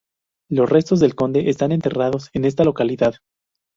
Los restos del conde están enterrados en esta localidad.